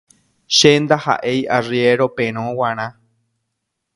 che ndaha'éi arriéro perõ g̃uarã